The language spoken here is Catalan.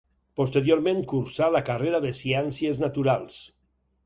Posteriorment, cursà la carrera de Ciències Naturals.